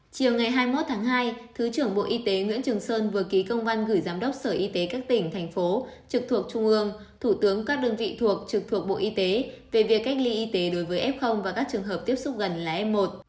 chiều ngày hai mươi một tháng hai thứ trưởng bộ y tế nguyễn trường sơn vừa ký công văn gửi giám đốc sở y tế các tỉnh thành phố trực thuộc trung ương thủ tướng các đơn vị thuộc trực thuộc bộ y tế về việc cách ly y tế đối với f và các trường hợp tiếp xúc gần là f một